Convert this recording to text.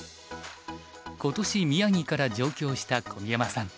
今年宮城から上京した小宮山さん